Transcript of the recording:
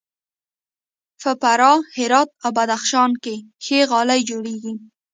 په فراه، هرات او بدخشان کې ښه غالۍ جوړیږي.